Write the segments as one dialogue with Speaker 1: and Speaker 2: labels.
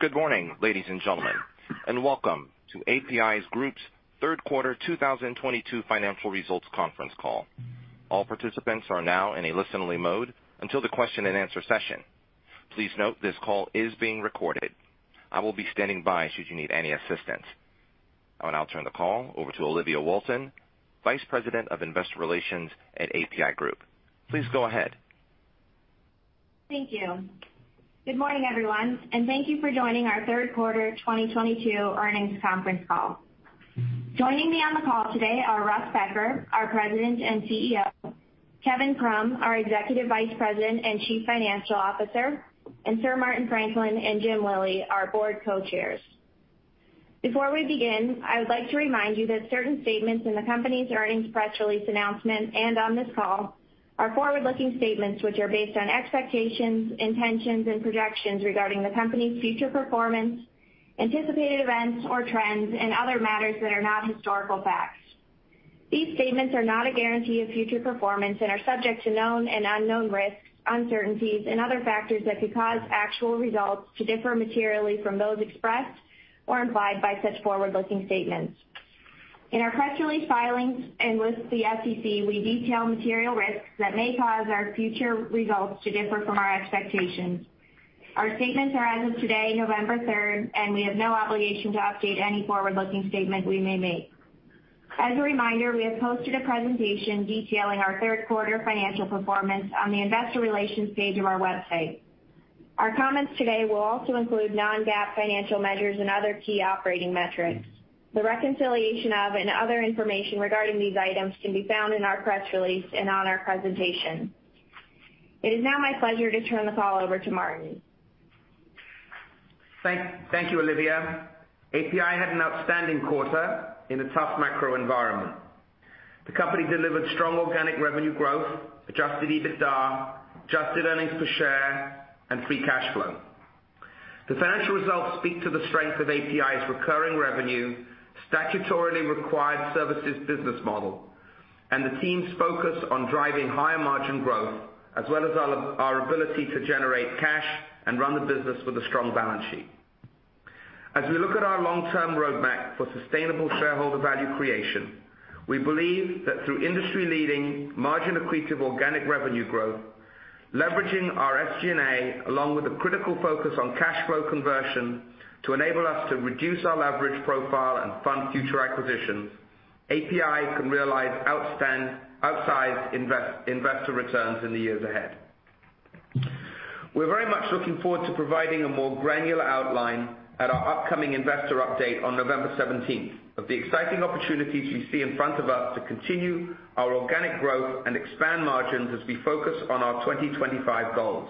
Speaker 1: Good morning, ladies and gentlemen, and welcome to APi Group's third quarter 2022 financial results conference call. All participants are now in a listen-only mode until the question-and-answer session. Please note this call is being recorded. I will be standing by should you need any assistance. I will now turn the call over to Olivia Walton, Vice President of Investor Relations at APi Group. Please go ahead.
Speaker 2: Thank you. Good morning, everyone, and thank you for joining our third quarter 2022 earnings conference call. Joining me on the call today are Russ Becker, our President and CEO, Kevin Krumm, our Executive Vice President and Chief Financial Officer, and Sir Martin Franklin and Jim Lillie, our board Co-Chairs. Before we begin, I would like to remind you that certain statements in the company's earnings press release announcement and on this call are forward-looking statements which are based on expectations, intentions, and projections regarding the company's future performance, anticipated events or trends, and other matters that are not historical facts. These statements are not a guarantee of future performance and are subject to known and unknown risks, uncertainties, and other factors that could cause actual results to differ materially from those expressed or implied by such forward-looking statements. In our press release filings and with the SEC, we detail material risks that may cause our future results to differ from our expectations. Our statements are as of today, November 3rd, and we have no obligation to update any forward-looking statement we may make. As a reminder, we have posted a presentation detailing our third quarter financial performance on the investor relations page of our website. Our comments today will also include non-GAAP financial measures and other key operating metrics. The reconciliation of and other information regarding these items can be found in our press release and on our presentation. It is now my pleasure to turn the call over to Martin.
Speaker 3: Thank you, Olivia. APi had an outstanding quarter in a tough macro environment. The company delivered strong organic revenue growth, adjusted EBITDA, adjusted earnings per share, and free cash flow. The financial results speak to the strength of APi's recurring revenue, statutorily required services business model, and the team's focus on driving higher margin growth, as well as our ability to generate cash and run the business with a strong balance sheet. As we look at our long-term roadmap for sustainable shareholder value creation, we believe that through industry-leading margin accretive organic revenue growth, leveraging our SG&A, along with a critical focus on cash flow conversion to enable us to reduce our leverage profile and fund future acquisitions, APi can realize outsized investor returns in the years ahead. We're very much looking forward to providing a more granular outline at our upcoming investor update on November 17th of the exciting opportunities we see in front of us to continue our organic growth and expand margins as we focus on our 2025 goals.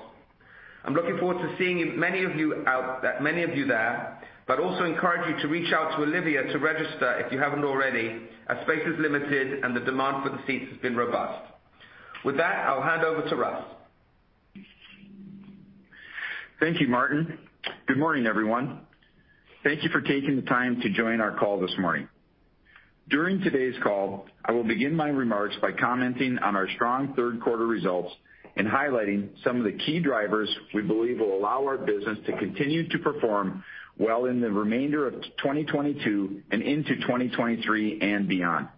Speaker 3: I'm looking forward to seeing many of you there, but also encourage you to reach out to Olivia to register if you haven't already, as space is limited and the demand for the seats has been robust. With that, I'll hand over to Russ.
Speaker 4: Thank you, Martin. Good morning, everyone. Thank you for taking the time to join our call this morning. During today's call, I will begin my remarks by commenting on our strong third quarter results and highlighting some of the key drivers we believe will allow our business to continue to perform well in the remainder of 2022 and into 2023 and beyond.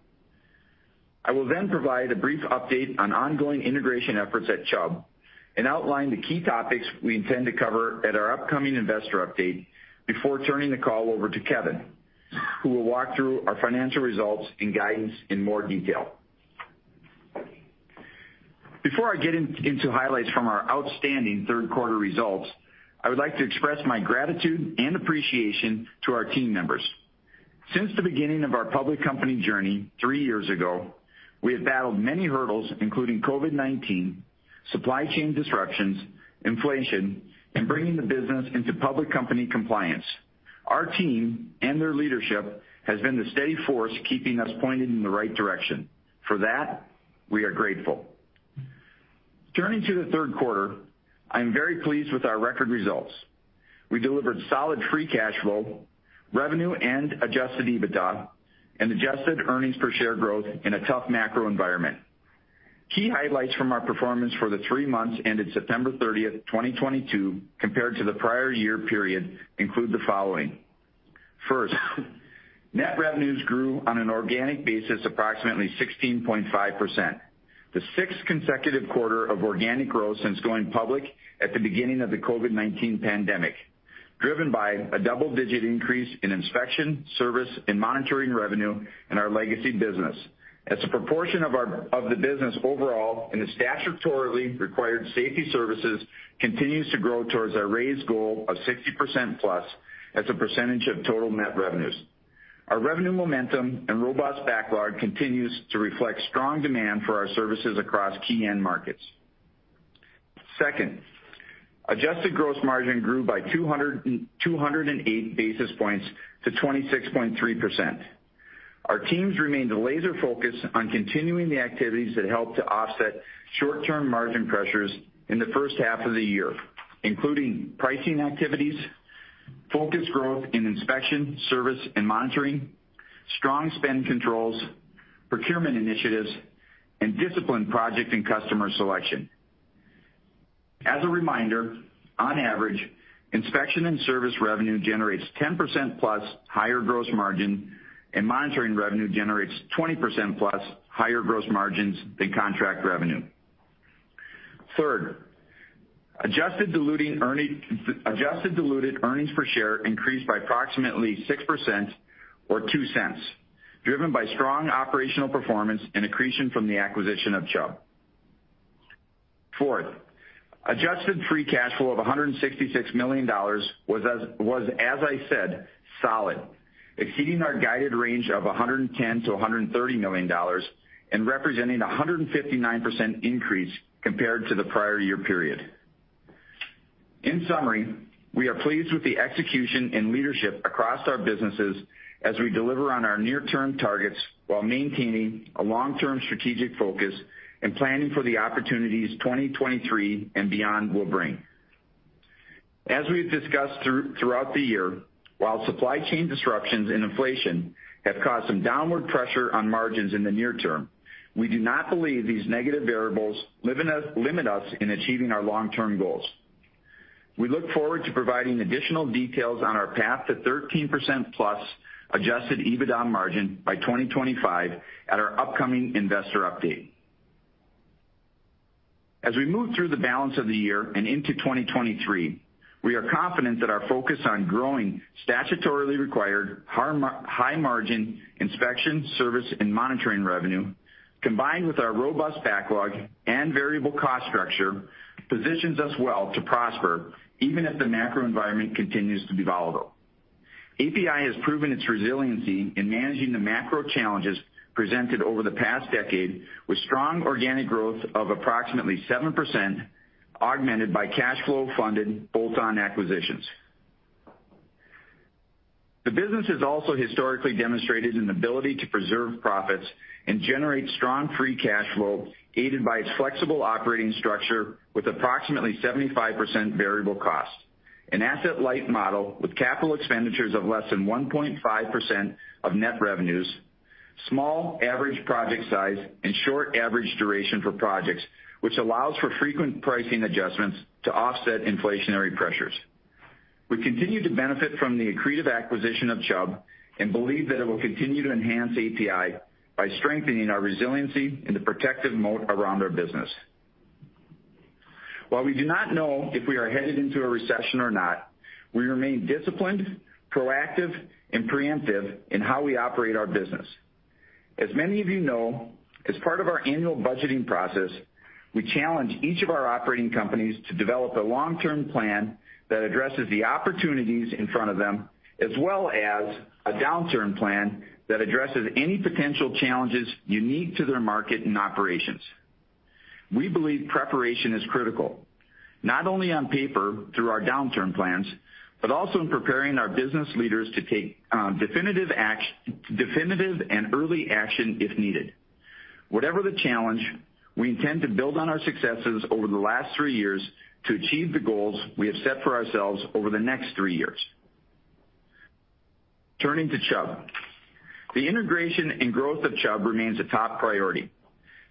Speaker 4: I will then provide a brief update on ongoing integration efforts at Chubb and outline the key topics we intend to cover at our upcoming investor update before turning the call over to Kevin, who will walk through our financial results and guidance in more detail. Before I get into highlights from our outstanding third quarter results, I would like to express my gratitude and appreciation to our team members. Since the beginning of our public company journey three years ago, we have battled many hurdles, including COVID-19, supply chain disruptions, inflation, and bringing the business into public company compliance. Our team and their leadership has been the steady force keeping us pointed in the right direction. For that, we are grateful. Turning to the third quarter, I'm very pleased with our record results. We delivered solid free cash flow, revenue and adjusted EBITDA, and adjusted earnings per share growth in a tough macro environment. Key highlights from our performance for the three months ended September 30th, 2022, compared to the prior year period include the following. First, net revenues grew on an organic basis approximately 16.5%. The sixth consecutive quarter of organic growth since going public at the beginning of the COVID-19 pandemic, driven by a double-digit increase in inspection, service, and monitoring revenue in our legacy business. As a proportion of our business overall, and the statutorily required Safety Services continues to grow towards our raised goal of 60% plus as a percentage of total net revenues. Our revenue momentum and robust backlog continues to reflect strong demand for our services across key end markets. Second, adjusted gross margin grew by 280 basis points to 26.3%. Our teams remained laser-focused on continuing the activities that helped to offset short-term margin pressures in the first half of the year, including pricing activities, focused growth in inspection, service, and monitoring, strong spend controls, procurement initiatives, and disciplined project and customer selection. As a reminder, on average, inspection and service revenue generates 10%+ higher gross margin, and monitoring revenue generates 20%+ higher gross margins than contract revenue. Third, adjusted diluted earnings per share increased by approximately 6% or $0.02, driven by strong operational performance and accretion from the acquisition of Chubb. Fourth, adjusted free cash flow of $166 million was, as I said, solid, exceeding our guided range of $110 million-$130 million and representing a 159% increase compared to the prior year period. In summary, we are pleased with the execution and leadership across our businesses as we deliver on our near-term targets while maintaining a long-term strategic focus and planning for the opportunities 2023 and beyond will bring. As we've discussed throughout the year, while supply chain disruptions and inflation have caused some downward pressure on margins in the near term, we do not believe these negative variables limit us in achieving our long-term goals. We look forward to providing additional details on our path to 13%+ adjusted EBITDA margin by 2025 at our upcoming investor update. As we move through the balance of the year and into 2023, we are confident that our focus on growing statutorily required high-margin inspection, service, and monitoring revenue, combined with our robust backlog and variable cost structure, positions us well to prosper even if the macro environment continues to be volatile. APi has proven its resiliency in managing the macro challenges presented over the past decade with strong organic growth of approximately 7%, augmented by cash flow-funded bolt-on acquisitions. The business has also historically demonstrated an ability to preserve profits and generate strong free cash flow, aided by its flexible operating structure with approximately 75% variable costs, an asset-light model with capital expenditures of less than 1.5% of net revenues, small average project size, and short average duration for projects, which allows for frequent pricing adjustments to offset inflationary pressures. We continue to benefit from the accretive acquisition of Chubb and believe that it will continue to enhance APi by strengthening our resiliency and the protective moat around our business. While we do not know if we are headed into a recession or not, we remain disciplined, proactive, and preemptive in how we operate our business. As many of you know, as part of our annual budgeting process, we challenge each of our operating companies to develop a long-term plan that addresses the opportunities in front of them, as well as a downturn plan that addresses any potential challenges unique to their market and operations. We believe preparation is critical, not only on paper through our downturn plans, but also in preparing our business leaders to take definitive and early action if needed. Whatever the challenge, we intend to build on our successes over the last three years to achieve the goals we have set for ourselves over the next three years. Turning to Chubb. The integration and growth of Chubb remains a top priority.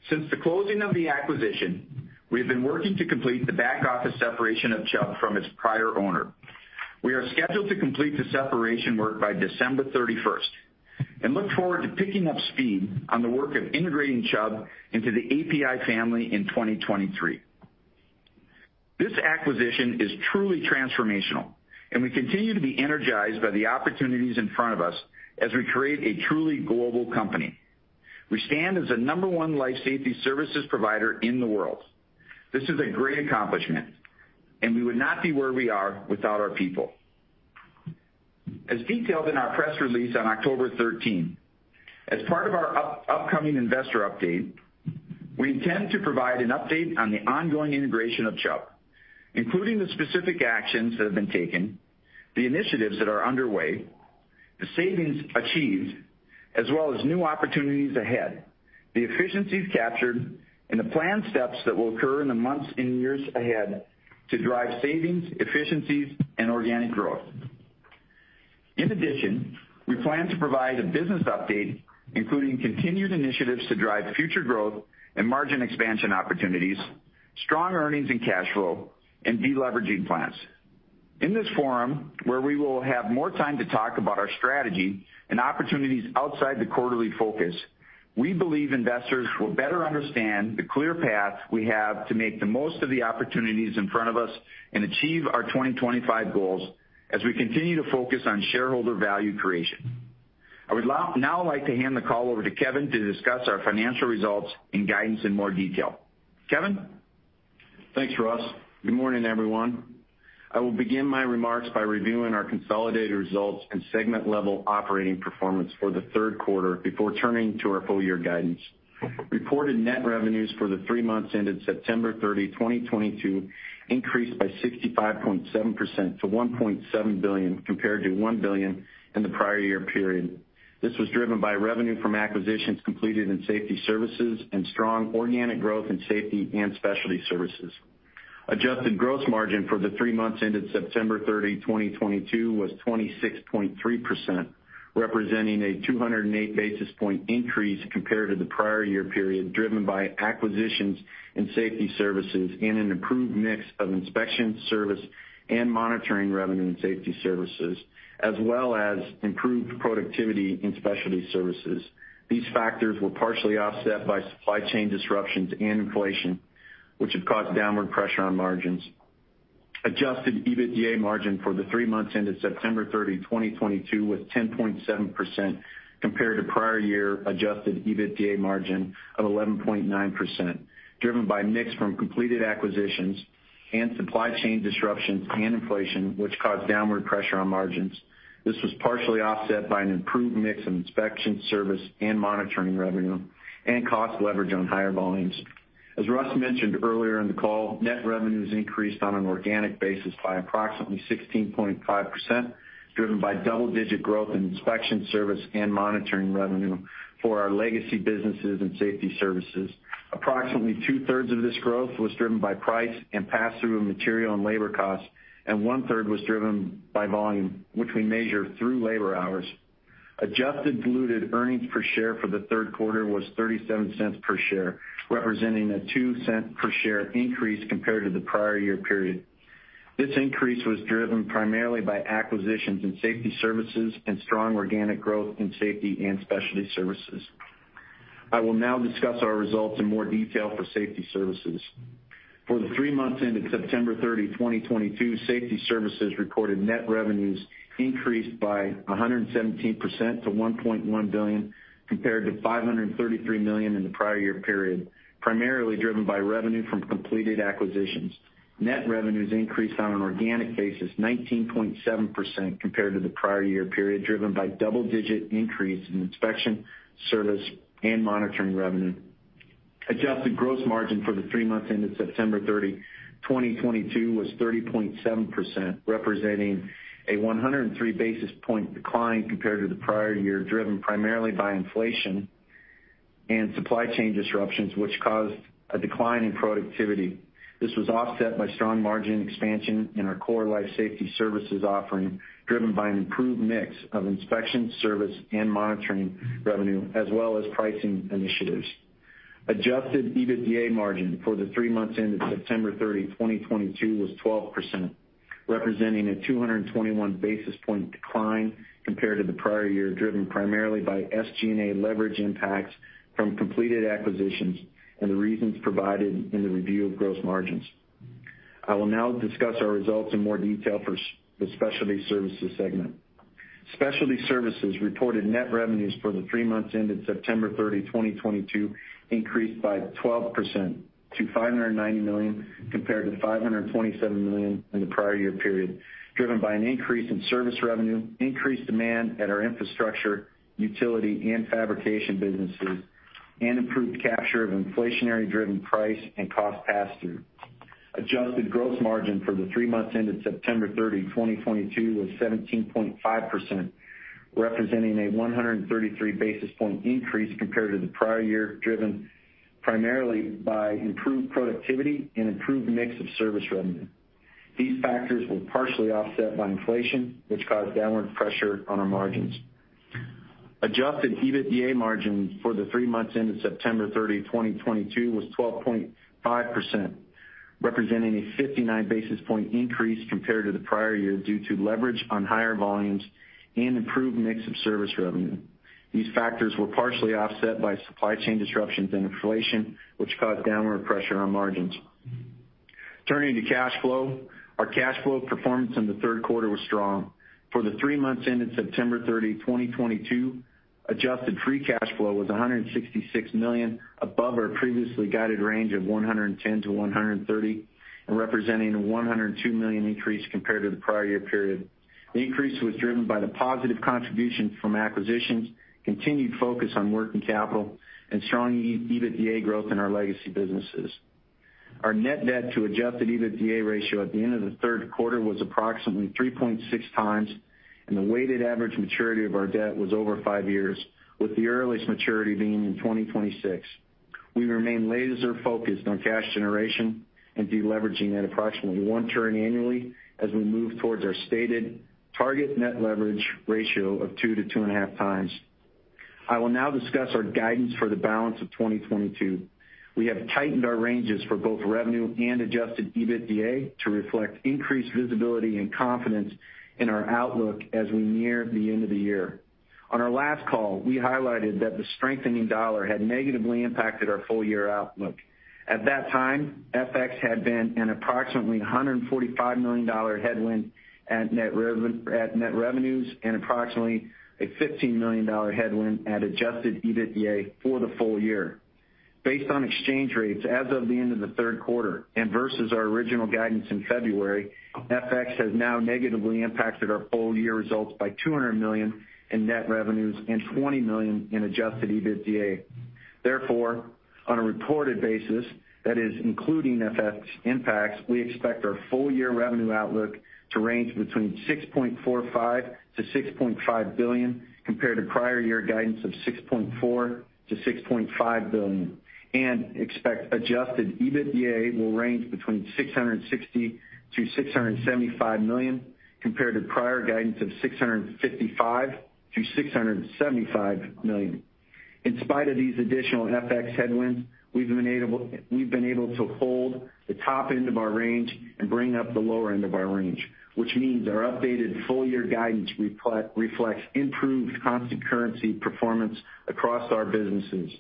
Speaker 4: Since the closing of the acquisition, we have been working to complete the back office separation of Chubb from its prior owner. We are scheduled to complete the separation work by December 31st and look forward to picking up speed on the work of integrating Chubb into the APi family in 2023. This acquisition is truly transformational, and we continue to be energized by the opportunities in front of us as we create a truly global company. We stand as the number one life Safety Services provider in the world. This is a great accomplishment, and we would not be where we are without our people. As detailed in our press release on October 13, as part of our upcoming investor update, we intend to provide an update on the ongoing integration of Chubb, including the specific actions that have been taken, the initiatives that are underway, the savings achieved, as well as new opportunities ahead, the efficiencies captured, and the planned steps that will occur in the months and years ahead to drive savings, efficiencies, and organic growth. In addition, we plan to provide a business update, including continued initiatives to drive future growth and margin expansion opportunities, strong earnings and cash flow, and deleveraging plans. In this forum, where we will have more time to talk about our strategy and opportunities outside the quarterly focus, we believe investors will better understand the clear path we have to make the most of the opportunities in front of us and achieve our 2025 goals as we continue to focus on shareholder value creation. I would now like to hand the call over to Kevin to discuss our financial results and guidance in more detail. Kevin?
Speaker 5: Thanks, Russ. Good morning, everyone. I will begin my remarks by reviewing our consolidated results and segment-level operating performance for the third quarter before turning to our full year guidance. Reported net revenues for the three months ended September 30, 2022 increased by 65.7% to $1.7 billion, compared to $1 billion in the prior year period. This was driven by revenue from acquisitions completed in Safety Services and strong organic growth in safety and Specialty Services. Adjusted gross margin for the three months ended September 30, 2022 was 26.3%, representing a 208 basis point increase compared to the prior year period, driven by acquisitions in Safety Services and an improved mix of inspection services and monitoring revenue in Safety Services, as well as improved productivity in Specialty Services. These factors were partially offset by supply chain disruptions and inflation, which have caused downward pressure on margins. Adjusted EBITDA margin for the three months ended September 30, 2022 was 10.7% compared to prior year adjusted EBITDA margin of 11.9%, driven by mix from completed acquisitions and supply chain disruptions and inflation, which caused downward pressure on margins. This was partially offset by an improved mix of inspection service and monitoring revenue and cost leverage on higher volumes. As Russ mentioned earlier in the call, net revenues increased on an organic basis by approximately 16.5%, driven by double-digit growth in inspection service and monitoring revenue for our legacy businesses and Safety Services. Approximately two-thirds of this growth was driven by price and pass-through of material and labor costs, and one-third was driven by volume, which we measure through labor hours. Adjusted diluted earnings per share for the third quarter was $0.37 per share, representing a $0.02 per share increase compared to the prior year period. This increase was driven primarily by acquisitions in Safety Services and strong organic growth in Safety Services and Specialty Services. I will now discuss our results in more detail for Safety Services. For the three months ended September 30, 2022, Safety Services recorded net revenues increased by 117% to $1.1 billion, compared to $533 million in the prior year period, primarily driven by revenue from completed acquisitions. Net revenues increased on an organic basis 19.7% compared to the prior year period, driven by double-digit increase in inspection, service and monitoring revenue. Adjusted gross margin for the three months ended September 30, 2022 was 30.7%, representing a 103 basis point decline compared to the prior year, driven primarily by inflation and supply chain disruptions, which caused a decline in productivity. This was offset by strong margin expansion in our core life Safety Services offering, driven by an improved mix of inspection, service and monitoring revenue as well as pricing initiatives. Adjusted EBITDA margin for the three months ended September 30, 2022 was 12%, representing a 221 basis point decline compared to the prior year, driven primarily by SG&A leverage impacts from completed acquisitions and the reasons provided in the review of gross margins. I will now discuss our results in more detail for the Specialty Services segment. Specialty Services reported net revenues for the three months ended September 30, 2022 increased by 12% to $590 million compared to $527 million in the prior year period, driven by an increase in service revenue, increased demand at our Infrastructure, Utility and Fabrication businesses and improved capture of inflationary driven price and cost pass-through. Adjusted gross margin for the three months ended September 30, 2022 was 17.5%, representing a 133 basis point increase compared to the prior year, driven primarily by improved productivity and improved mix of service revenue. These factors were partially offset by inflation, which caused downward pressure on our margins. Adjusted EBITDA margin for the three months ended September 30, 2022 was 12.5%, representing a 59 basis point increase compared to the prior year due to leverage on higher volumes and improved mix of service revenue. These factors were partially offset by supply chain disruptions and inflation, which caused downward pressure on margins. Turning to Cash Flow. Our cash flow performance in the third quarter was strong. For the three months ended September 30, 2022, adjusted free cash flow was $166 million above our previously guided range of $110 million-$130 million, and representing a $102 million increase compared to the prior year period. The increase was driven by the positive contribution from acquisitions, continued focus on working capital and strong EBITDA growth in our legacy businesses. Our net debt to adjusted EBITDA ratio at the end of the third quarter was approximately 3.6x and the weighted average maturity of our debt was over five years, with the earliest maturity being in 2026. We remain laser focused on cash generation and deleveraging at approximately 1 turn annually as we move towards our stated target net leverage ratio of 2x-2.5x. I will now discuss our guidance for the balance of 2022. We have tightened our ranges for both revenue and adjusted EBITDA to reflect increased visibility and confidence in our outlook as we near the end of the year. On our last call, we highlighted that the strengthening dollar had negatively impacted our full year outlook. At that time, FX had been an approximately $145 million headwind at net revenues and approximately a $15 million headwind at adjusted EBITDA for the full year. Based on exchange rates as of the end of the third quarter and versus our original guidance in February, FX has now negatively impacted our full year results by $200 million in net revenues and $20 million in adjusted EBITDA. Therefore, on a reported basis that is including FX impacts, we expect our full year revenue outlook to range between $6.45 billion-$6.5 billion, compared to prior year guidance of $6.4 billion-$6.5 billion, and expect adjusted EBITDA will range between $660 million-$675 million compared to prior guidance of $655 million-$675 million. In spite of these additional FX headwinds, we've been able to hold the top end of our range and bring up the lower end of our range, which means our updated full year guidance reflects improved constant currency performance across our businesses.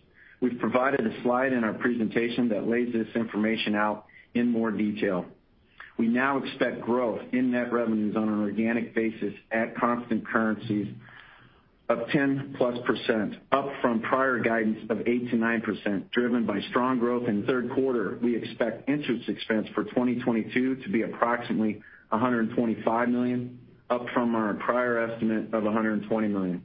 Speaker 5: We've provided a slide in our presentation that lays this information out in more detail. We now expect growth in net revenues on an organic basis at constant currencies of 10%+, up from prior guidance of 8%-9%, driven by strong growth in the third quarter. We expect interest expense for 2022 to be approximately $125 million, up from our prior estimate of $120 million.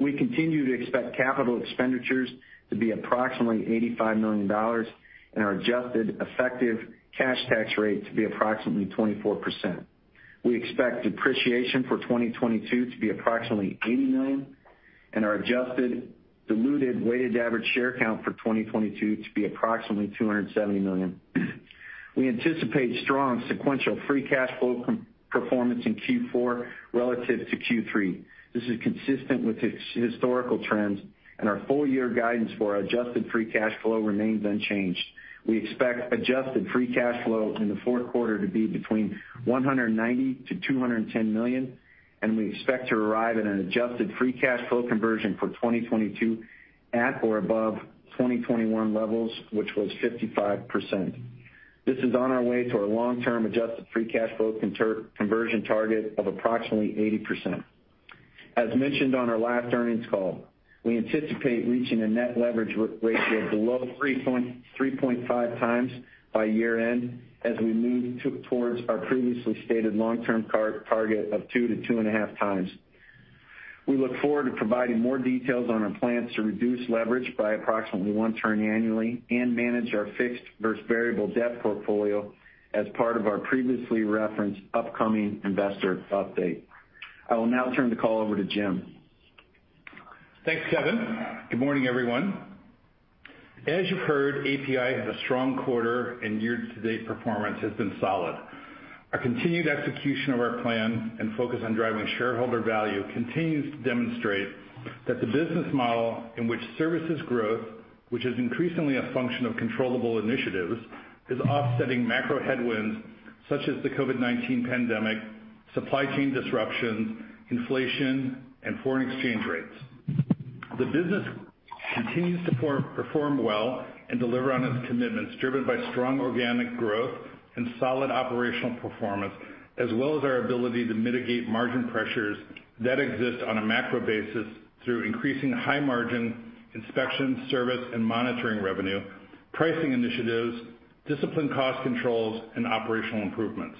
Speaker 5: We continue to expect capital expenditures to be approximately $85 million and our adjusted effective cash tax rate to be approximately 24%. We expect depreciation for 2022 to be approximately $80 million and our adjusted diluted weighted average shares outstanding for 2022 to be approximately 270 million. We anticipate strong sequential free cash flow performance in Q4 relative to Q3. This is consistent with historical trends and our full year guidance for our adjusted free cash flow remains unchanged. We expect adjusted free cash flow in the fourth quarter to be between $190 million and $210 million, and we expect to arrive at an adjusted free cash flow conversion for 2022 at or above 2021 levels, which was 55%. This is on our way to our long term adjusted free cash flow conversion target of approximately 80%. As mentioned on our last earnings call, we anticipate reaching a net leverage ratio below 3.5x by year-end as we move towards our previously stated long-term target of 2x-2.5x. We look forward to providing more details on our plans to reduce leverage by approximately one turn annually and manage our fixed versus variable debt portfolio as part of our previously referenced upcoming investor update. I will now turn the call over to Jim Lillie.
Speaker 6: Thanks, Kevin. Good morning, everyone. As you've heard, APi had a strong quarter, and year-to-date performance has been solid. Our continued execution of our plan and focus on driving shareholder value continues to demonstrate that the business model in which services growth, which is increasingly a function of controllable initiatives, is offsetting macro headwinds such as the COVID-19 pandemic, supply chain disruptions, inflation, and foreign exchange rates. The business continues to perform well and deliver on its commitments, driven by strong organic growth and solid operational performance, as well as our ability to mitigate margin pressures that exist on a macro basis through increasing high-margin inspection, service and monitoring revenue, pricing initiatives, disciplined cost controls and operational improvements.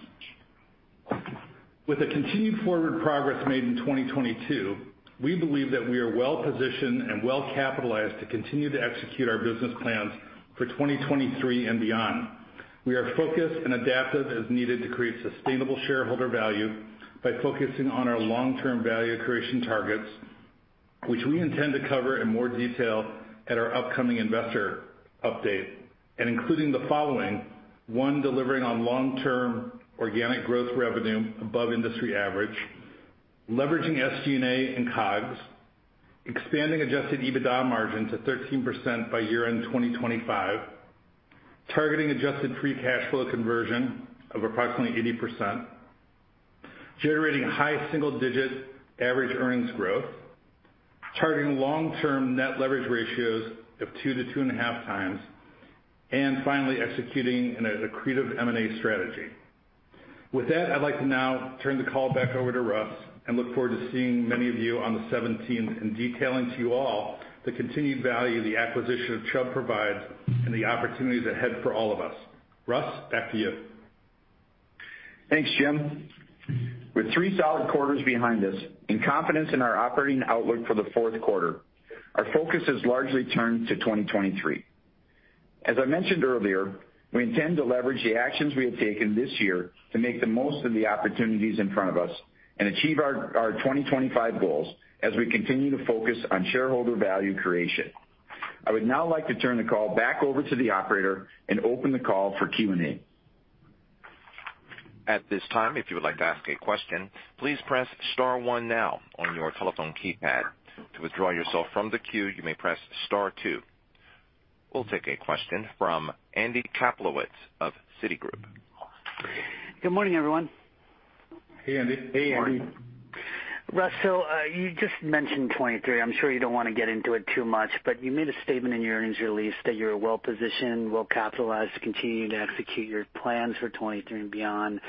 Speaker 6: With the continued forward progress made in 2022, we believe that we are well positioned and well capitalized to continue to execute our business plans for 2023 and beyond. We are focused and adaptive as needed to create sustainable shareholder value by focusing on our long-term value creation targets, which we intend to cover in more detail at our upcoming investor update, including the following. One, delivering on long-term organic growth revenue above industry average, leveraging SG&A and COGS, expanding adjusted EBITDA margin to 13% by year-end 2025, targeting adjusted free cash flow conversion of approximately 80%, generating high single-digit average earnings growth, targeting long-term net leverage ratios of 2x-2.5x, and finally executing an accretive M&A strategy. With that, I'd like to now turn the call back over to Russ and look forward to seeing many of you on the seventeenth and detailing to you all the continued value the acquisition of Chubb provides and the opportunities ahead for all of us. Russ, back to you.
Speaker 4: Thanks, Jim. With three solid quarters behind us and confidence in our operating outlook for the fourth quarter, our focus has largely turned to 2023. As I mentioned earlier, we intend to leverage the actions we have taken this year to make the most of the opportunities in front of us and achieve our 2025 goals as we continue to focus on shareholder value creation. I would now like to turn the call back over to the operator and open the call for Q&A.
Speaker 1: At this time, if you would like to ask a question, please press star one now on your telephone keypad. To withdraw yourself from the queue, you may press star two. We'll take a question from Andy Kaplowitz of Citigroup.
Speaker 7: Good morning, everyone.
Speaker 6: Hey, Andy.
Speaker 5: Hey, Andy.
Speaker 7: Morning. Russ, you just mentioned 2023. I'm sure you don't wanna get into it too much, but you made a statement in your earnings release that you're well positioned, well capitalized to continue to execute your plans for 2023 and beyond.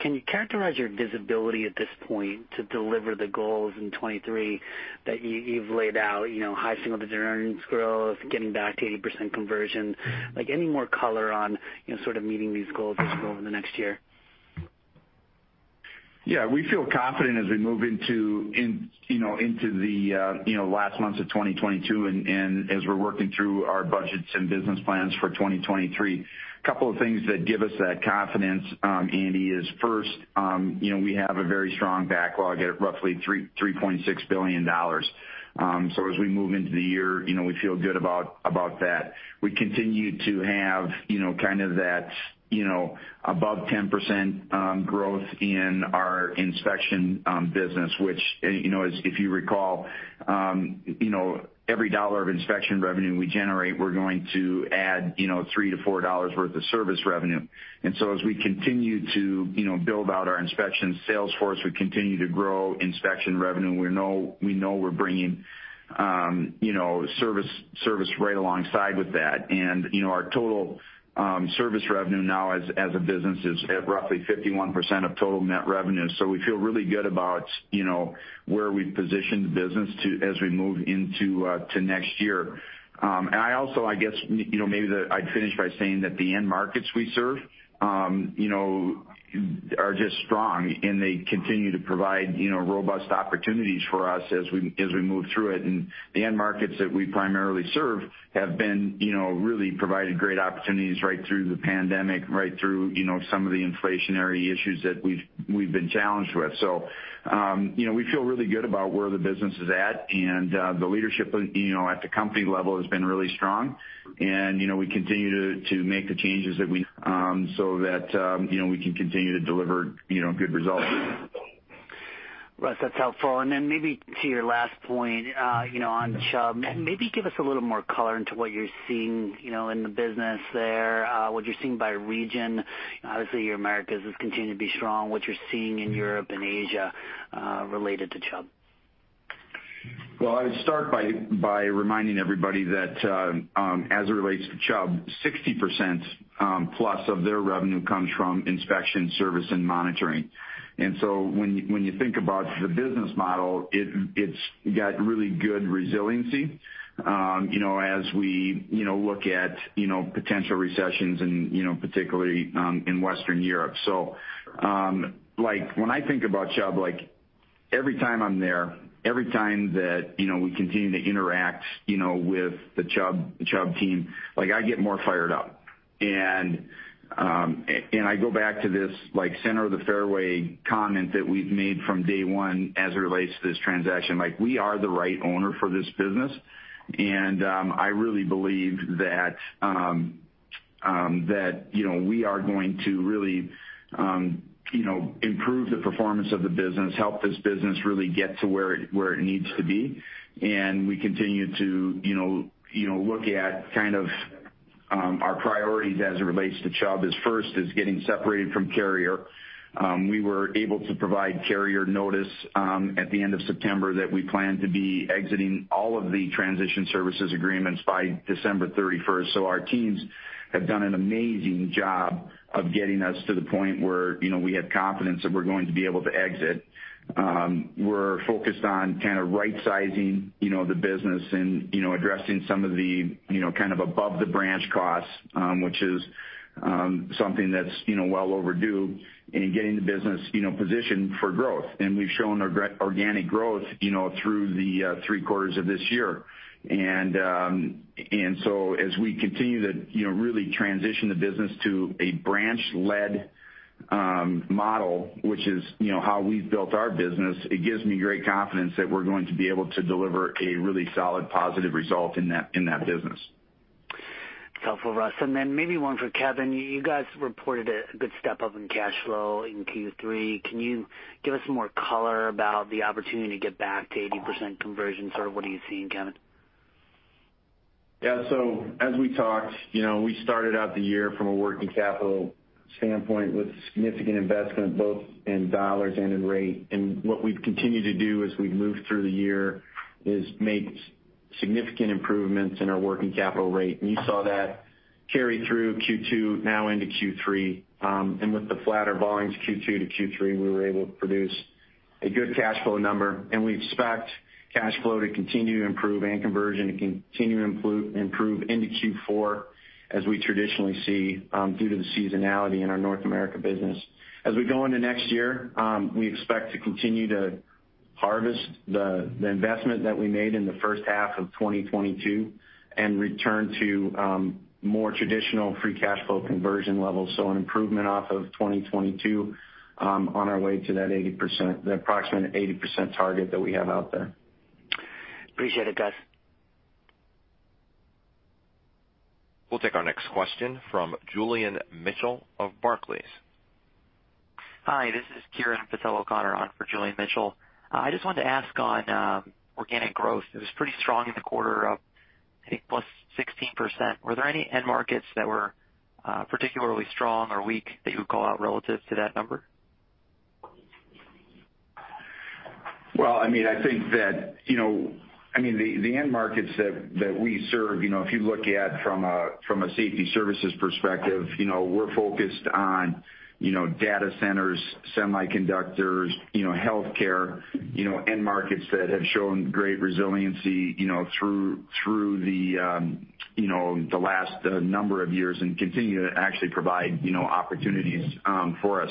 Speaker 7: Can you characterize your visibility at this point to deliver the goals in 2023 that you've laid out? You know, high single digit earnings growth, getting back to 80% conversion. Like, any more color on, you know, sort of meeting these goals as we go over the next year?
Speaker 4: Yeah, we feel confident as we move into the last months of 2022 and as we're working through our budgets and business plans for 2023. A couple of things that give us that confidence, Andy, is first, you know, we have a very strong backlog at roughly $3.6 billion. So as we move into the year, you know, we feel good about that. We continue to have, you know, kind of that above 10% growth in our inspection business, which, and you know, as if you recall, you know, every dollar of inspection revenue we generate, we're going to add, you know, $3-$4 worth of service revenue. As we continue to, you know, build out our inspection sales force, we continue to grow inspection revenue. We know we're bringing, you know, service right alongside with that. You know, our total service revenue now as a business is at roughly 51% of total net revenue. We feel really good about, you know, where we've positioned the business, as we move into next year. I also, I guess, you know, I'd finish by saying that the end markets we serve, you know, are just strong, and they continue to provide, you know, robust opportunities for us as we move through it. The end markets that we primarily serve have been, you know, really provided great opportunities right through the pandemic, right through, you know, some of the inflationary issues that we've been challenged with. You know, we feel really good about where the business is at, and the leadership, you know, at the company level has been really strong. You know, we continue to make the changes that we so that, you know, we can continue to deliver, you know, good results.
Speaker 7: Russ, that's helpful. Maybe to your last point, you know, on Chubb, maybe give us a little more color into what you're seeing, you know, in the business there, what you're seeing by region. Obviously, your Americas has continued to be strong, what you're seeing in Europe and Asia, related to Chubb?
Speaker 4: Well, I would start by reminding everybody that as it relates to Chubb, 60%+ of their revenue comes from inspection service and monitoring. When you think about the business model, it's got really good resiliency, you know, as we, you know, look at, you know, potential recessions and, you know, particularly in Western Europe. Like, when I think about Chubb, like every time I'm there, every time that, you know, we continue to interact, you know, with the Chubb team, like, I get more fired up. I go back to this, like, center of the fairway comment that we've made from day one as it relates to this transaction. Like, we are the right owner for this business, and I really believe that that you know we are going to really you know improve the performance of the business, help this business really get to where it needs to be. We continue to you know look at kind of our priorities as it relates to Chubb. First is getting separated from Carrier. We were able to provide Carrier notice at the end of September that we plan to be exiting all of the transition services agreements by December 31st. Our teams have done an amazing job of getting us to the point where you know we have confidence that we're going to be able to exit. We're focused on kind of rightsizing, you know, the business and, you know, addressing some of the, you know, kind of above the branch costs, which is something that's, you know, well overdue in getting the business, you know, positioned for growth. We've shown organic growth, you know, through the three quarters of this year. As we continue to, you know, really transition the business to a branch-led model, which is, you know, how we've built our business, it gives me great confidence that we're going to be able to deliver a really solid positive result in that business.
Speaker 7: That's helpful, Russ. Maybe one for Kevin. You guys reported a good step-up in cash flow in Q3. Can you give us more color about the opportunity to get back to 80% conversion? Sort of what are you seeing, Kevin?
Speaker 5: Yeah. As we talked, you know, we started out the year from a working capital standpoint with significant investment both in dollars and in rate. What we've continued to do as we've moved through the year is make significant improvements in our working capital rate. You saw that carry through Q2, now into Q3. With the flatter volumes Q2 to Q3, we were able to produce a good cash flow number, and we expect cash flow to continue to improve and conversion to continue to improve into Q4, as we traditionally see, due to the seasonality in our North America business. As we go into next year, we expect to continue to harvest the investment that we made in the first half of 2022 and return to more traditional free cash flow conversion levels.
Speaker 4: An improvement off of 2022, on our way to that 80%, the approximate 80% target that we have out there.
Speaker 7: Appreciate it, guys.
Speaker 1: We'll take our next question from Julian Mitchell of Barclays.
Speaker 8: Hi, this is Kieran Patel-O'Connor on for Julian Mitchell. I just wanted to ask on organic growth. It was pretty strong in the quarter, up, I think, +16%. Were there any end markets that were particularly strong or weak that you would call out relative to that number?
Speaker 4: Well, I mean, I think that, you know, I mean, the end markets that we serve, you know, if you look at from a Safety Services perspective, you know, we're focused on, you know, data centers, semiconductors, you know, healthcare, you know, end markets that have shown great resiliency, you know, through the you know, the last number of years and continue to actually provide, you know, opportunities for us.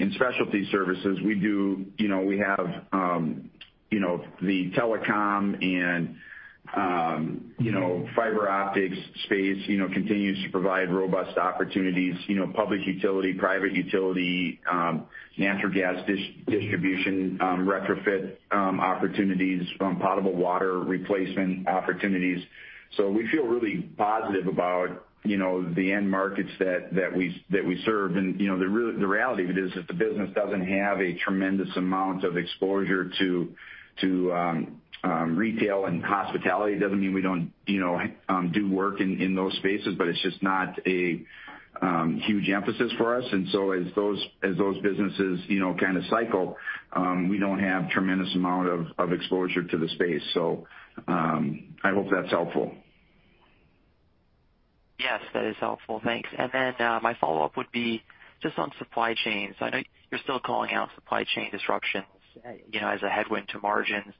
Speaker 4: In Specialty Services, we do, you know, we have You know, the telecom and you know, fiber optics space, you know, continues to provide robust opportunities, you know, public Utility, private Utility natural gas distribution retrofit opportunities from potable water replacement opportunities. We feel really positive about, you know, the end markets that we serve. You know, the reality of it is that the business doesn't have a tremendous amount of exposure to retail and hospitality. It doesn't mean we don't, you know, do work in those spaces, but it's just not a huge emphasis for us. As those businesses, you know, kind of cycle, we don't have tremendous amount of exposure to the space. I hope that's helpful.
Speaker 8: Yes, that is helpful. Thanks. My follow-up would be just on supply chains. I know you're still calling out supply chain disruptions, you know, as a headwind to margins.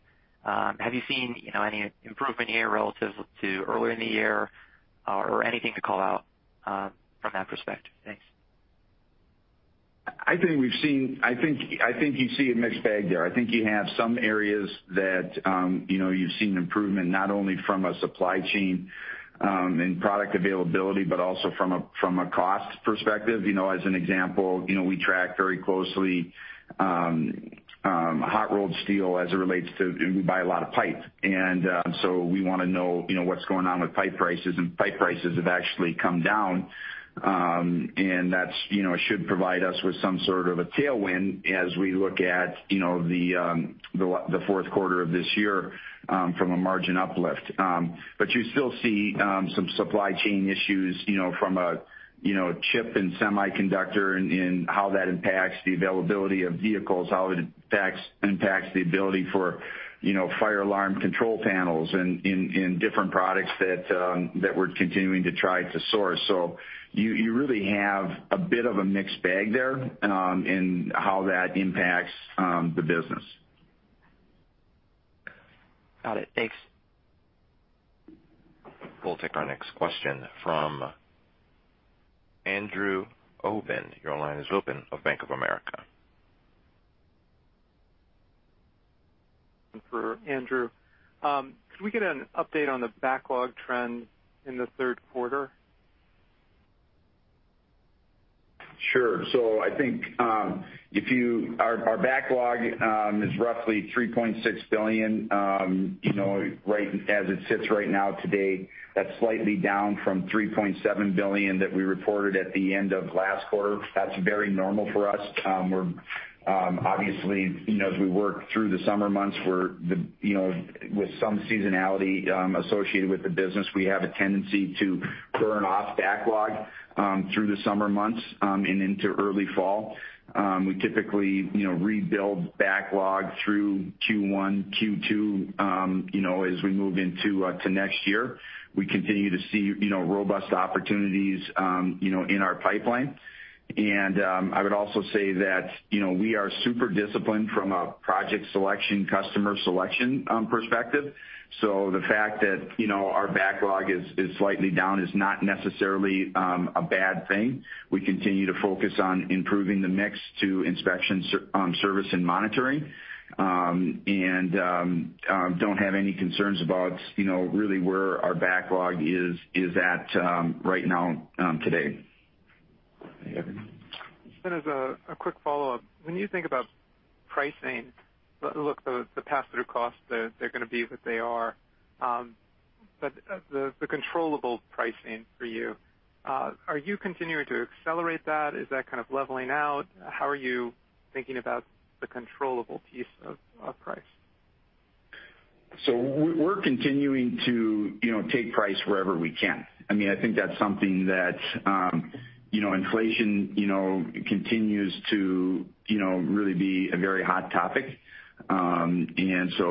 Speaker 8: Have you seen, you know, any improvement here relative to earlier in the year or anything to call out, from that perspective? Thanks.
Speaker 4: I think we've seen. I think you see a mixed bag there. I think you have some areas that, you know, you've seen improvement, not only from a supply chain and product availability, but also from a cost perspective. You know, as an example, you know, we track very closely hot-rolled steel as it relates to. We buy a lot of pipe. So we wanna know, you know, what's going on with pipe prices, and pipe prices have actually come down. That's, you know, should provide us with some sort of a tailwind as we look at, you know, the fourth quarter of this year from a margin uplift. You still see some supply chain issues, you know, from a, you know, chip and semiconductor and how that impacts the availability of vehicles, how it impacts the ability for, you know, fire alarm control panels and in different products that we're continuing to try to source. You really have a bit of a mixed bag there, in how that impacts the business.
Speaker 8: Got it. Thanks.
Speaker 1: We'll take our next question from Andrew Obin. Your line is open, of Bank of America.
Speaker 9: For Andrew. Could we get an update on the backlog trend in the third quarter?
Speaker 4: Sure. I think our backlog is roughly $3.6 billion, you know, right as it sits right now today. That's slightly down from $3.7 billion that we reported at the end of last quarter. That's very normal for us. We're obviously, you know, as we work through the summer months with some seasonality associated with the business, we have a tendency to burn off backlog through the summer months and into early fall. We typically, you know, rebuild backlog through Q1, Q2, you know, as we move into next year. We continue to see, you know, robust opportunities, you know, in our pipeline. I would also say that, you know, we are super disciplined from a project selection, customer selection perspective. The fact that, you know, our backlog is slightly down is not necessarily a bad thing. We continue to focus on improving the mix to inspection service and monitoring and don't have any concerns about, you know, really where our backlog is at right now, today. Kevin?
Speaker 9: As a quick follow-up. When you think about pricing, look, the pass-through costs, they're gonna be what they are. But the controllable pricing for you, are you continuing to accelerate that? Is that kind of leveling out? How are you thinking about the controllable piece of price?
Speaker 4: We're continuing to, you know, take price wherever we can. I mean, I think that's something that, you know, inflation, you know, continues to, you know, really be a very hot topic.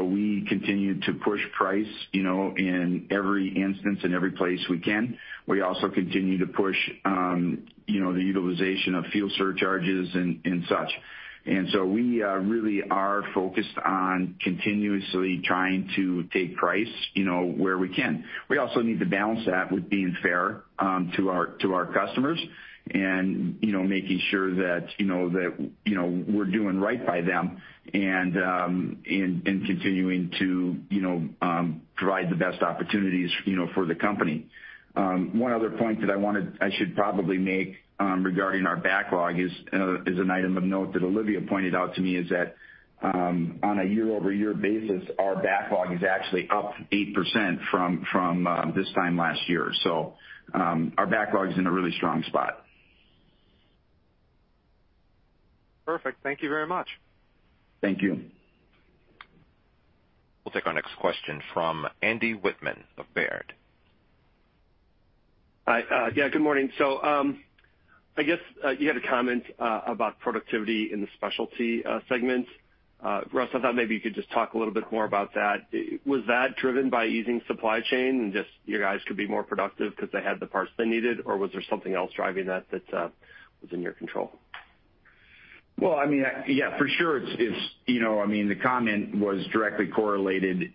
Speaker 4: We continue to push price, you know, in every instance, in every place we can. We also continue to push, you know, the utilization of fuel surcharges and such. We really are focused on continuously trying to take price, you know, where we can. We also need to balance that with being fair, to our customers and, you know, making sure that, you know, that, you know, we're doing right by them and continuing to, you know, provide the best opportunities, you know, for the company. One other point that I should probably make regarding our backlog is an item of note that Olivia pointed out to me is that on a year-over-year basis, our backlog is actually up 8% from this time last year. Our backlog is in a really strong spot.
Speaker 9: Perfect. Thank you very much.
Speaker 4: Thank you.
Speaker 1: We'll take our next question from Andy Wittmann of Baird.
Speaker 10: Hi. Yeah, good morning. I guess you had a comment about productivity in the specialty segment. Russ, I thought maybe you could just talk a little bit more about that. Was that driven by easing supply chain and just you guys could be more productive because they had the parts they needed, or was there something else driving that was in your control?
Speaker 4: Well, I mean, yeah, for sure. It's you know I mean the comment was directly correlated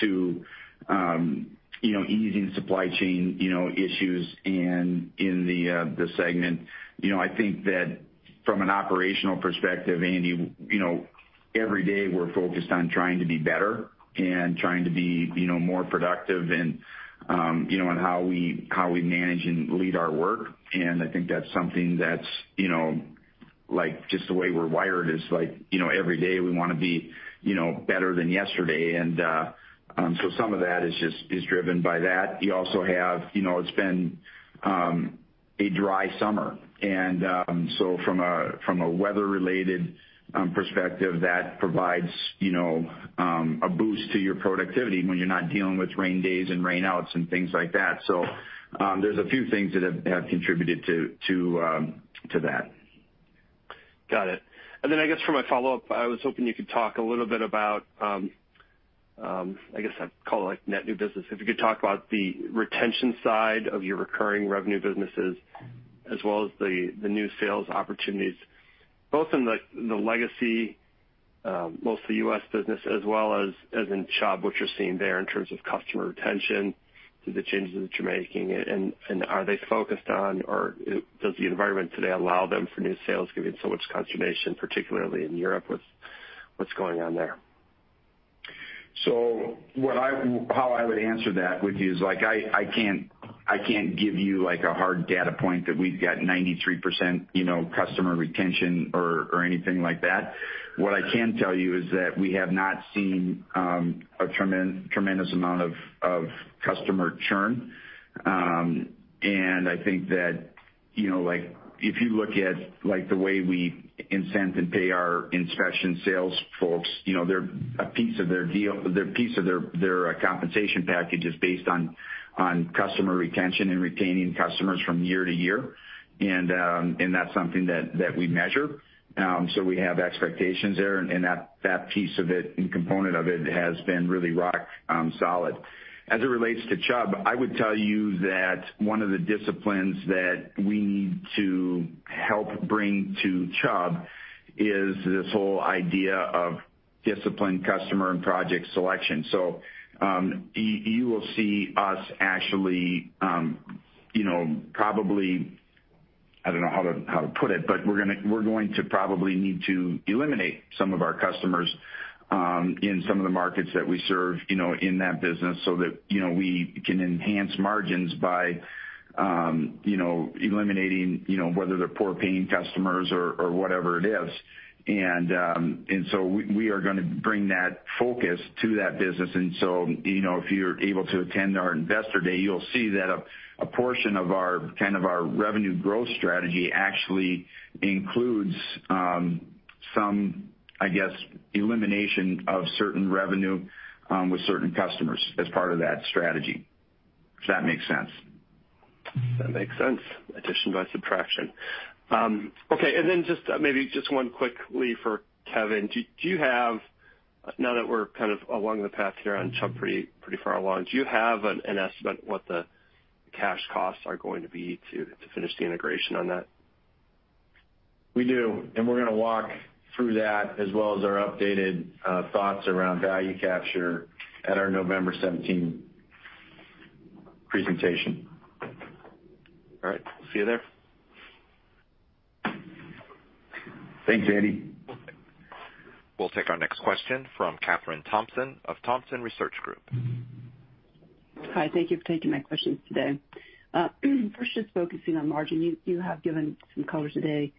Speaker 4: to you know easing supply chain you know issues and in the the segment. You know I think that from an operational perspective, Andy, you know every day we're focused on trying to be better and trying to be you know more productive and you know on how we manage and lead our work. I think that's something that's you know like just the way we're wired is like you know every day we wanna be you know better than yesterday. So some of that is just driven by that. You also have you know it's been a dry summer. From a weather-related perspective, that provides, you know, a boost to your productivity when you're not dealing with rain days and rain outs and things like that. There's a few things that have contributed to that.
Speaker 10: Got it. I guess for my follow-up, I was hoping you could talk a little bit about, I guess I'd call it like net new business. If you could talk about the retention side of your recurring revenue businesses as well as the new sales opportunities, both in the legacy, mostly U.S. business as well as in Chubb, what you're seeing there in terms of customer retention due to the changes that you're making, and are they focused on, or does the environment today allow for new sales given so much caution, particularly in Europe, with what's going on there?
Speaker 4: How I would answer that with you is, like, I can't give you, like, a hard data point that we've got 93%, you know, customer retention or anything like that. What I can tell you is that we have not seen a tremendous amount of customer churn. I think that, you know, like, if you look at, like, the way we incent and pay our inspection sales folks, you know, a piece of their compensation package is based on customer retention and retaining customers from year to year. That's something that we measure. We have expectations there. That piece of it and component of it has been really rock solid. As it relates to Chubb, I would tell you that one of the disciplines that we need to help bring to Chubb is this whole idea of disciplined customer and project selection. You will see us actually, you know, I don't know how to put it, but we're going to probably need to eliminate some of our customers in some of the markets that we serve, you know, in that business so that, you know, we can enhance margins by, you know, eliminating, you know, whether they're poor paying customers or whatever it is. We are gonna bring that focus to that business. You know, if you're able to attend our investor day, you'll see that a portion of our, kind of our revenue growth strategy actually includes some, I guess, elimination of certain revenue with certain customers as part of that strategy. If that makes sense.
Speaker 10: That makes sense. Addition by subtraction. Okay. Just maybe just one quickly for Kevin. Now that we're kind of along the path here on Chubb pretty far along, do you have an estimate what the cash costs are going to be to finish the integration on that?
Speaker 5: We do, and we're gonna walk through that as well as our updated thoughts around value capture at our November 17 presentation.
Speaker 10: All right. See you there.
Speaker 4: Thanks, Andy.
Speaker 1: We'll take our next question from Kathryn Thompson of Thompson Research Group.
Speaker 11: Hi, thank you for taking my questions today. First, just focusing on margin. You have given some color today,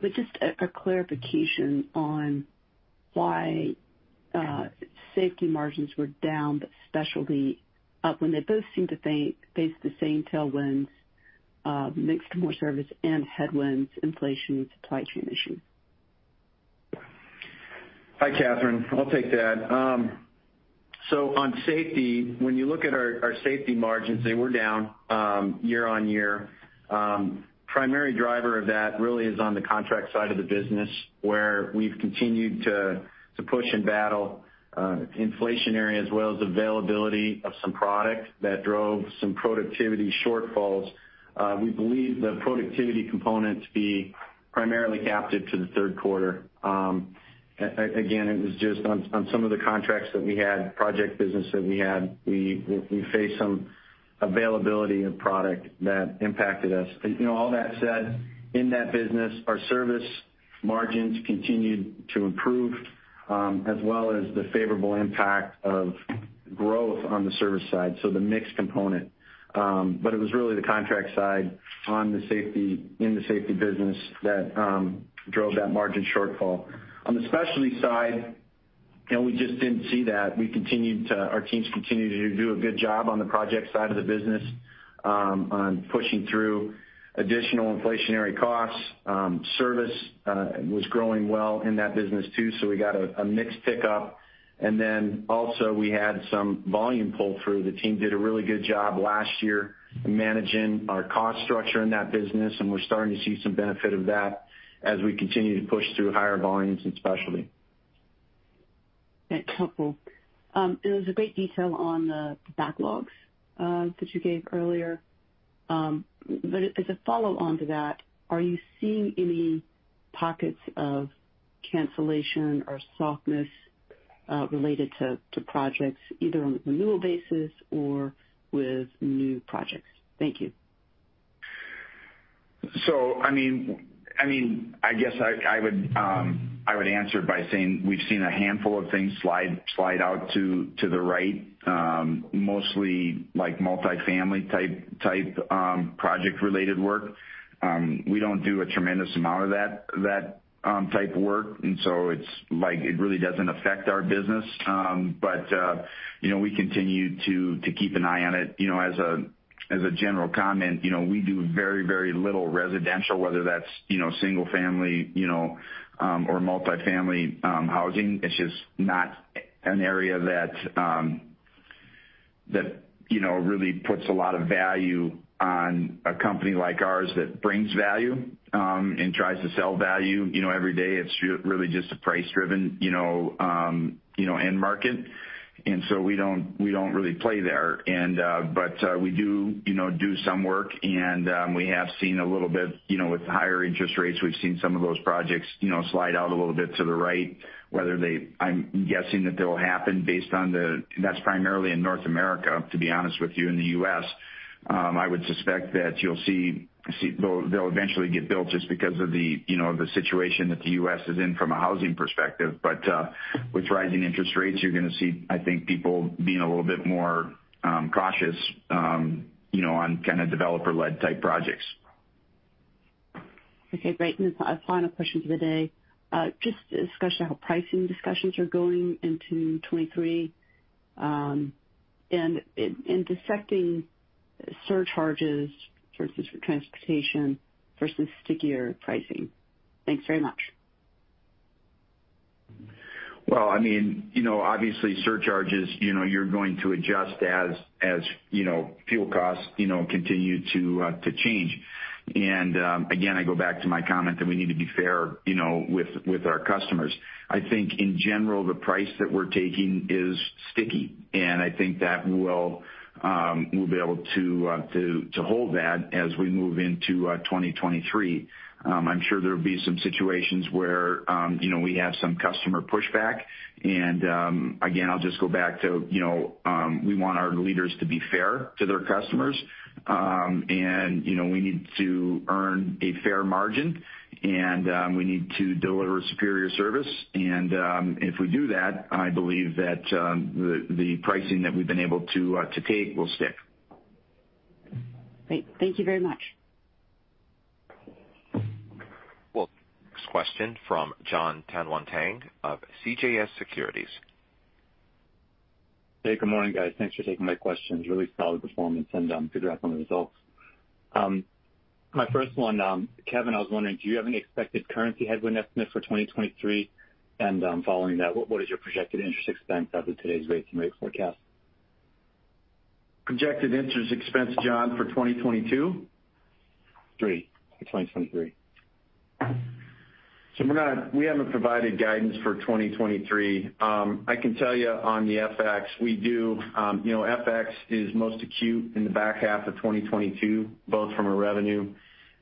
Speaker 11: but just a clarification on why Safety margins were down but Specialty up when they both seem to face the same tailwinds, mix of more service and headwinds, inflation and supply chain issues.
Speaker 5: Hi, Kathryn. I'll take that. So on Safety, when you look at our Safety margins, they were down year-over-year. Primary driver of that really is on the contract side of the business where we've continued to push and battle inflationary as well as availability of some product that drove some productivity shortfalls. We believe the productivity component to be primarily captive to the third quarter. It was just on some of the contracts that we had, project business that we had, we faced some availability of product that impacted us. You know, all that said, in that business, our service margins continued to improve as well as the favorable impact of growth on the service side, so the mixed component. It was really the contract side on the Safety in the Safety business that drove that margin shortfall. On the specialty side, you know, we just didn't see that. Our teams continued to do a good job on the project side of the business on pushing through additional inflationary costs. Service was growing well in that business too, so we got a mixed pickup. Then also we had some volume pull through. The team did a really good job last year managing our cost structure in that business, and we're starting to see some benefit of that as we continue to push through higher volumes in specialty.
Speaker 11: Okay, helpful. It was a great detail on the backlogs that you gave earlier. But as a follow-on to that, are you seeing any pockets of cancellation or softness related to projects either on a renewal basis or with new projects? Thank you.
Speaker 4: I mean, I guess I would answer by saying we've seen a handful of things slide out to the right, mostly like multifamily type project related work. We don't do a tremendous amount of that type of work, and so it's like it really doesn't affect our business. But you know, we continue to keep an eye on it. You know, as a general comment, you know, we do very little residential, whether that's single family or multifamily housing. It's just not an area that you know, really puts a lot of value on a company like ours that brings value and tries to sell value every day. It's really just a price-driven, you know, end market. We don't really play there. But we do some work. We have seen a little bit, you know, with higher interest rates, we've seen some of those projects, you know, slide out a little bit to the right. I'm guessing that they'll happen based on that. That's primarily in North America, to be honest with you, in the U.S. I would suspect that you'll see they'll eventually get built just because of the, you know, the situation that the U.S. is in from a housing perspective. With rising interest rates, you're gonna see, I think, people being a little bit more cautious, you know, on kind of developer-led type projects.
Speaker 11: Okay, great. A final question for the day. Just a discussion on how pricing discussions are going into 2023, and dissecting surcharges versus transportation versus stickier pricing. Thanks very much.
Speaker 4: Well, I mean, you know, obviously surcharges, you know, you're going to adjust as you know, fuel costs, you know, continue to change. Again, I go back to my comment that we need to be fair, you know, with our customers. I think in general, the price that we're taking is sticky, and I think that we'll be able to hold that as we move into 2023. I'm sure there'll be some situations where you know, we have some customer pushback. Again, I'll just go back to you know, we want our leaders to be fair to their customers. You know, we need to earn a fair margin and we need to deliver superior service. If we do that, I believe that the pricing that we've been able to take will stick.
Speaker 11: Great. Thank you very much.
Speaker 1: We'll take the next question from Jon Tanwanteng of CJS Securities.
Speaker 12: Hey, good morning, guys. Thanks for taking my questions. Really solid performance, and congrats on the results. My first one, Kevin, I was wondering, do you have any expected currency headwind estimate for 2023? Following that, what is your projected interest expense under today's rates and rate forecast?
Speaker 5: Projected interest expense, Jon, for 2022?
Speaker 12: 3. For 2023.
Speaker 5: We haven't provided guidance for 2023. I can tell you on the FX, we do, you know, FX is most acute in the back half of 2022, both from a revenue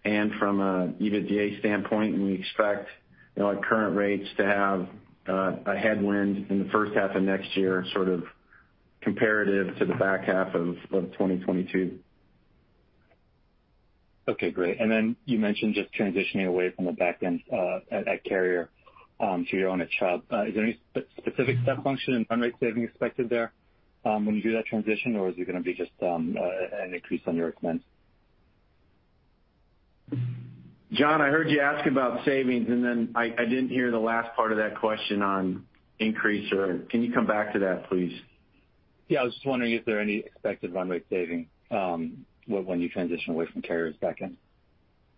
Speaker 5: and from a EBITDA standpoint. We expect, you know, at current rates to have, a headwind in the first half of next year, sort of comparative to the back half of, well, 2022.
Speaker 12: Okay, great. You mentioned just transitioning away from the back-end at Carrier to your own at Chubb. Is there any specific step function and run rate saving expected there, when you do that transition, or is it gonna be just an increase on your expense?
Speaker 4: Jon, I heard you ask about savings, and then I didn't hear the last part of that question on increase or. Can you come back to that, please?
Speaker 12: Yeah, I was just wondering if there are any expected run-rate savings when you transition away from Carrier's back-end.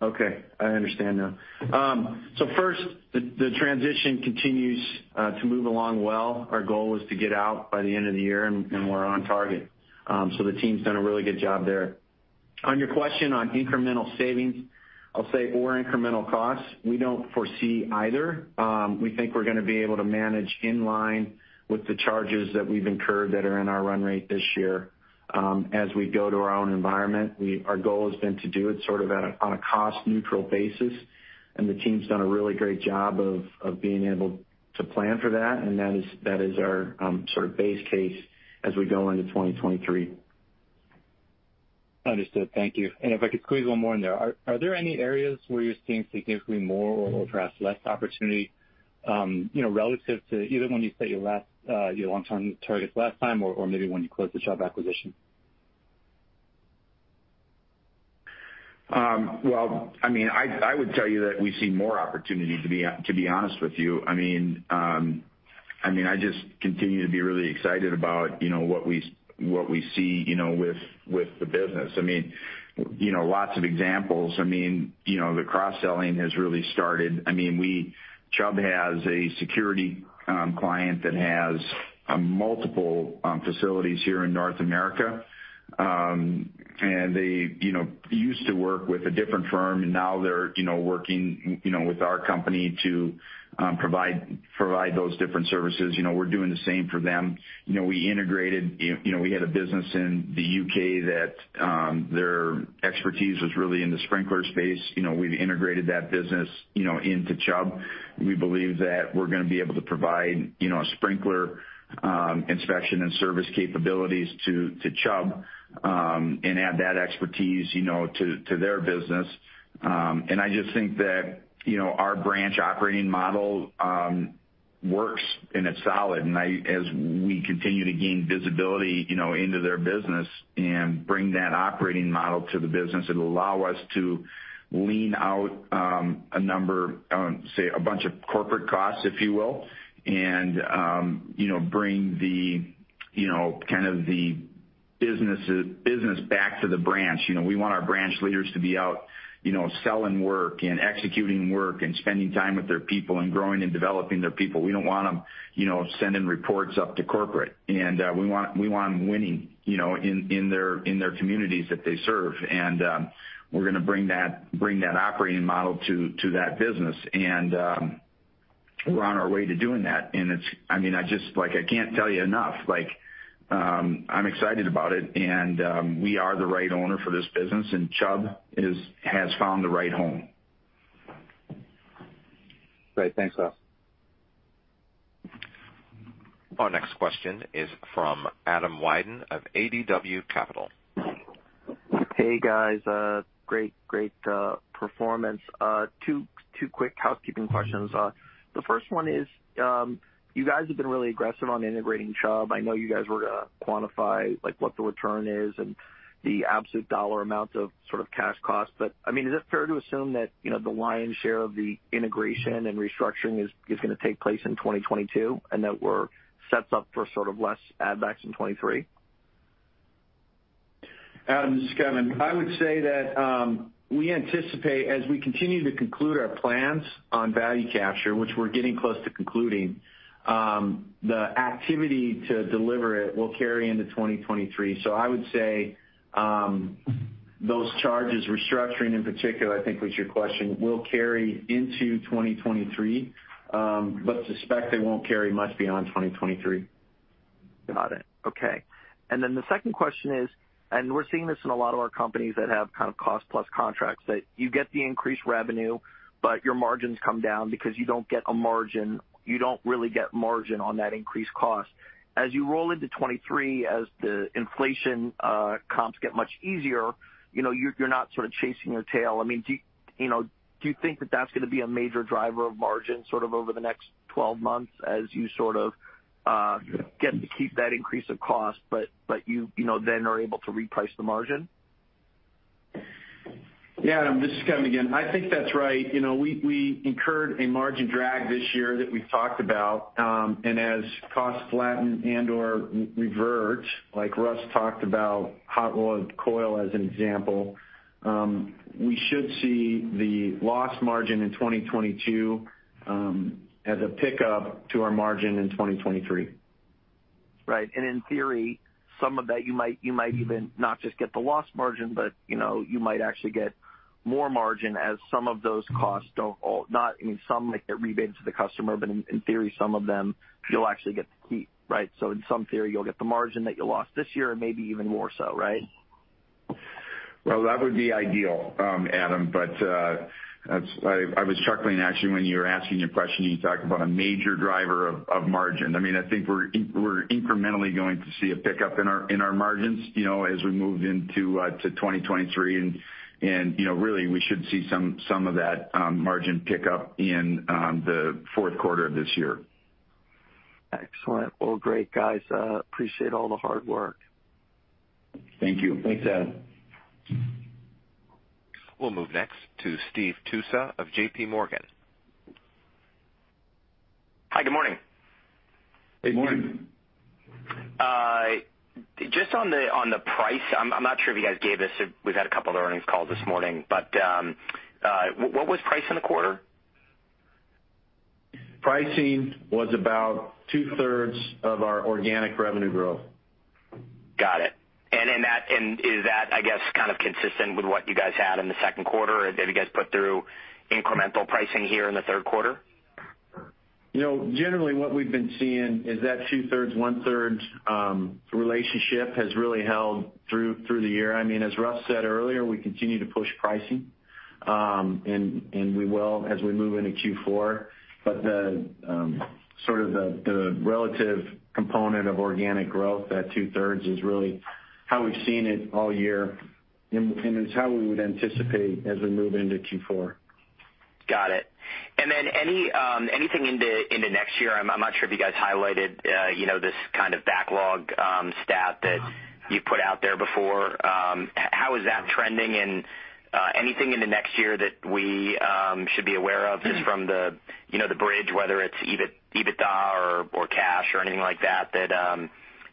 Speaker 4: Okay, I understand now. First, the transition continues to move along well. Our goal was to get out by the end of the year, and we're on target. The team's done a really good job there. On your question on incremental savings, I'll say, or incremental costs, we don't foresee either. We think we're gonna be able to manage in line with the charges that we've incurred that are in our run rate this year. As we go to our own environment, our goal has been to do it sort of on a cost neutral basis, and the team's done a really great job of being able to plan for that, and that is our sort of base case as we go into 2023.
Speaker 12: Understood. Thank you. If I could squeeze one more in there. Are there any areas where you're seeing significantly more or perhaps less opportunity, relative to even when you set your last, your long-term targets last time or maybe when you closed the Chubb acquisition?
Speaker 4: Well, I mean, I would tell you that we see more opportunity, to be honest with you. I mean, I just continue to be really excited about, you know, what we see, you know, with the business. I mean, you know, lots of examples. I mean, you know, the cross-selling has really started. I mean, Chubb has a security client that has on multiple facilities here in North America. They, you know, used to work with a different firm, and now they're, you know, working, you know, with our company to provide those different services. You know, we're doing the same for them. You know, we integrated, you know, we had a business in the UK that their expertise was really in the sprinkler space. You know, we've integrated that business, you know, into Chubb. We believe that we're gonna be able to provide, you know, a sprinkler inspection and service capabilities to Chubb, and add that expertise, you know, to their business. I just think that, you know, our branch operating model works, and it's solid. As we continue to gain visibility, you know, into their business and bring that operating model to the business, it'll allow us to lean out a number, say a bunch of corporate costs, if you will, and, you know, bring the business back to the branch. You know, we want our branch leaders to be out, you know, selling work and executing work and spending time with their people and growing and developing their people. We don't want them, you know, sending reports up to corporate. We want them winning, you know, in their communities that they serve. We're gonna bring that operating model to that business. We're on our way to doing that, and it's. I mean, like, I can't tell you enough, like, I'm excited about it, and we are the right owner for this business, and Chubb has found the right home.
Speaker 12: Great. Thanks, Russ.
Speaker 1: Our next question is from Adam Wyden of ADW Capital.
Speaker 13: Hey, guys. A great performance. Two quick housekeeping questions. The first one is, you guys have been really aggressive on integrating Chubb. I know you guys were gonna quantify like what the return is and the absolute dollar amount of sort of cash costs. I mean, is it fair to assume that, you know, the lion's share of the integration and restructuring is gonna take place in 2022 and that sets up for sort of less add backs in 2023?
Speaker 5: Adam, this is Kevin. I would say that we anticipate as we continue to conclude our plans on value capture, which we're getting close to concluding, the activity to deliver it will carry into 2023. I would say those charges, restructuring in particular I think was your question, will carry into 2023, but suspect they won't carry much beyond 2023.
Speaker 13: Got it. Okay. The second question is, we're seeing this in a lot of our companies that have kind of cost plus contracts, that you get the increased revenue, but your margins come down because you don't get a margin. You don't really get margin on that increased cost. As you roll into 2023, as the inflation comps get much easier, you know, you're not sort of chasing your tail. I mean, do you know, do you think that that's gonna be a major driver of margin sort of over the next 12 months as you sort of get to keep that increase of cost, but you know, then are able to reprice the margin?
Speaker 5: Yeah, Adam, this is Kevin again. I think that's right. You know, we incurred a margin drag this year that we've talked about. As costs flatten and/or revert, like Russ talked about hot rolled coil as an example, we should see the gross margin in 2022 as a pickup to our margin in 2023.
Speaker 13: Right. In theory, some of that you might even not just get the loss margin, but, you know, you might actually get more margin as some of those costs I mean, some might get rebated to the customer, but in theory, some of them you'll actually get to keep, right? In some theory, you'll get the margin that you lost this year and maybe even more so, right?
Speaker 4: Well, that would be ideal, Adam, but that's. I was chuckling actually when you were asking your question, and you talked about a major driver of margin. I mean, I think we're incrementally going to see a pickup in our margins, you know, as we move into 2023. You know, really, we should see some of that margin pick up in the fourth quarter of this year.
Speaker 13: Excellent. Well, great guys. Appreciate all the hard work.
Speaker 4: Thank you.
Speaker 5: Thanks, Adam.
Speaker 1: We'll move next to Steve Tusa of J.P. Morgan.
Speaker 14: Hi. Good morning.
Speaker 4: Good morning.
Speaker 5: Good morning.
Speaker 14: Just on the price, I'm not sure if you guys gave us. We've had a couple of earnings calls this morning, but what was price in the quarter?
Speaker 5: Pricing was about 2/3 of our organic revenue growth.
Speaker 14: Got it. Is that, I guess, kind of consistent with what you guys had in the second quarter? Did you guys put through incremental pricing here in the third quarter?
Speaker 5: You know, generally what we've been seeing is that two-thirds, one-thirds relationship has really held through the year. I mean, as Russ said earlier, we continue to push pricing. We will as we move into Q4. The sort of the relative component of organic growth, that two-third is really how we've seen it all year, and it's how we would anticipate as we move into Q4.
Speaker 14: Got it. Then anything into next year, I'm not sure if you guys highlighted you know this kind of backlog stat that you put out there before. How is that trending? Anything into next year that we should be aware of just from the you know the bridge, whether it's EBIT, EBITDA or cash or anything like that that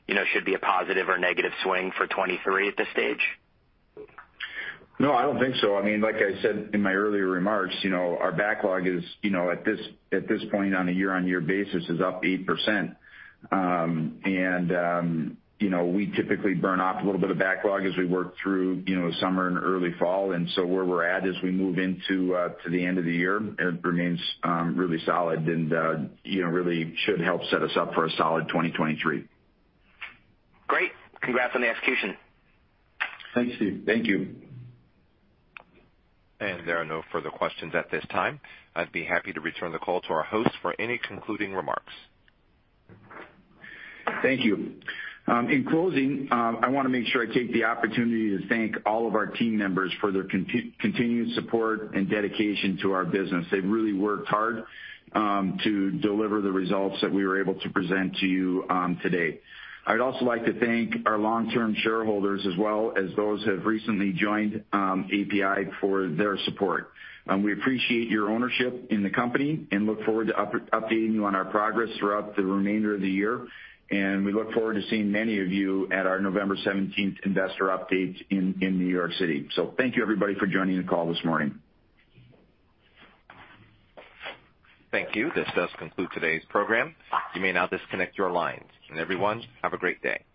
Speaker 14: you know should be a positive or negative swing for 2023 at this stage?
Speaker 4: No, I don't think so. I mean, like I said in my earlier remarks, you know, our backlog is, you know, at this point on a year-on-year basis is up 8%. You know, we typically burn off a little bit of backlog as we work through, you know, summer and early fall. Where we're at as we move into to the end of the year, it remains really solid and, you know, really should help set us up for a solid 2023.
Speaker 14: Great. Congrats on the execution.
Speaker 5: Thanks, Steve.
Speaker 4: Thank you.
Speaker 1: There are no further questions at this time. I'd be happy to return the call to our host for any concluding remarks.
Speaker 4: Thank you. In closing, I wanna make sure I take the opportunity to thank all of our team members for their continued support and dedication to our business. They've really worked hard to deliver the results that we were able to present to you today. I'd also like to thank our long-term shareholders as well as those who have recently joined APi for their support. We appreciate your ownership in the company and look forward to updating you on our progress throughout the remainder of the year. We look forward to seeing many of you at our November seventeenth investor update in New York City. Thank you everybody for joining the call this morning.
Speaker 1: Thank you. This does conclude today's program. You may now disconnect your lines. Everyone, have a great day.